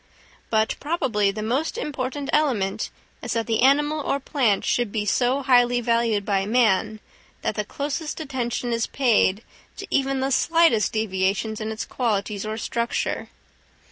But probably the most important element is that the animal or plant should be so highly valued by man, that the closest attention is paid to even the slightest deviations in its qualities or structure.